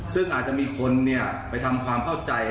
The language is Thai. ซึ่งอาจจะมีคนไปทำความเข้าใจ